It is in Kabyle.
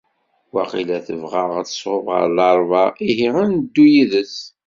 Waqila tebɣa ad tṣubb ɣer Laṛebɛa. Ihi ad neddu yid-s!